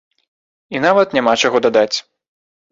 І нават няма чаго дадаць.